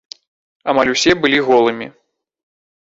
Амаль усе былі голымі.